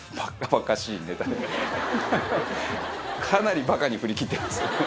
かなりバカに振り切ってますね。